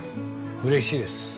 うれしいです。